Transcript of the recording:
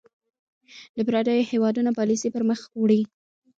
د پرديـو هېـوادونـو پالسـي پـر مــخ وړي .